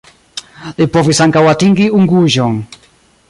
Li povis ankaŭ atingi Unguĵon.